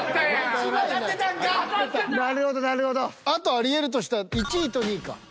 あとありえるとしたら１位と２位か。